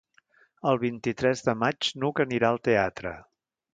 El vint-i-tres de maig n'Hug anirà al teatre.